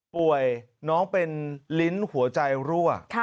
น้องเป็นลิ้นหัวใจรั่ว